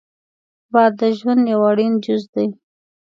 باد د ژوند یو اړین جز دی